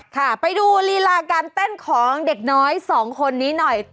ค่ะไปดูลีลาการเต้นของเด็กน้อยสองคนนี้หน่อย